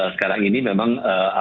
sekarang ini memang